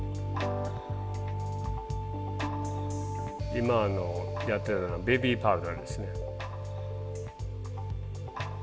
今やってるのはベビーパウダーですね。